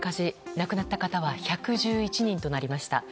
亡くなった方は１１１人となりました。